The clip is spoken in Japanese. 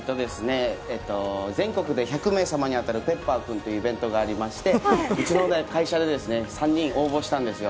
全国で１００名様に当たるＰｅｐｐｅｒ君というものがありましてうちの会社で３人応募したんですよ。